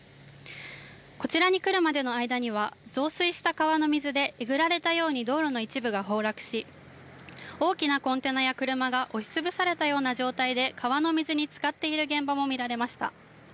こちらに来るまでの間には増水した川の水でえぐられたように道路の一部が崩落し、大きなコンテナや車が押しつぶされたような状態で川の水につかっている現場も見られました。